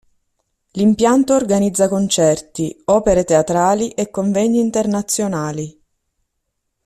L'impianto organizza concerti, opere teatrali e convegni internazionali.